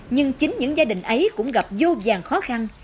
nhưng chính những gia đình ấy cũng gặp vô vàng khó khăn